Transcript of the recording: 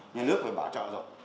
nhà nước phải bảo trọng rồi